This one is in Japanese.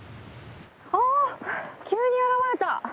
あ急に現れた！